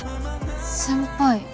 先輩。